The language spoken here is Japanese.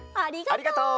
ありがとう！